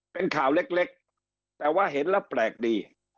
เป็นข่าวเล็กแต่ว่าเห็นแล้วแปลกดี